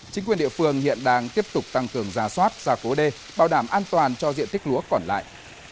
chính quyền địa phương hiện đang tiếp tục tăng cường gia soát ra cố đê bảo đảm an toàn cho diện tích lúa còn lại